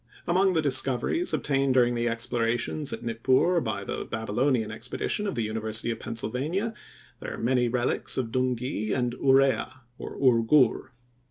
Among the discoveries obtained during the explorations at Nippur, by the Babylonian expedition of the University of Pennsylvania, there are many relics of Dungi and Urea, or Ur Gur.